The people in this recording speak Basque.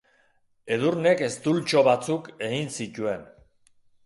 Edurnek eztultxo batzuk egin zituen.